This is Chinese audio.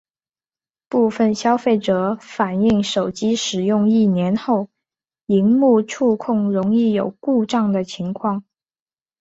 部份消费者反应手机使用一年后萤幕触控容易有故障的情况。